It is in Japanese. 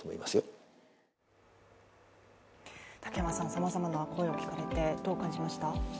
さまざまな声を聞かれてどう感じました？